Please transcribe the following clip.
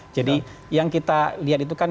jadi yang kita lihat itu kan